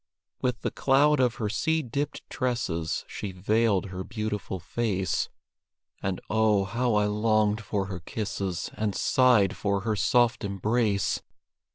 With the cloud of her sea dipped tresses She veiled her beautiful face And, oh, how I longed for her kisses, And sighed for her soft embrace!